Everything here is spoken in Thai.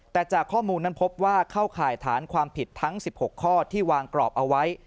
แต่จากข้อมูลนั้นพบว่าเข้าข่ายฐานความผิดทั้ง๑๖ข้อที่วางกรอบเอาไว้